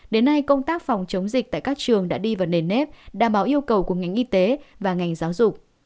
đến nay công tác phòng chống dịch tại các trường đã đi vào nền nếp đảm bảo yêu cầu của ngành y tế và ngành giáo dục